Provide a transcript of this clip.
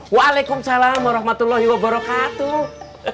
waalaikumsalam warahmatullahi wabarakatuh